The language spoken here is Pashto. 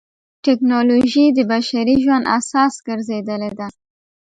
ټکنالوجي د بشري ژوند اساس ګرځېدلې ده.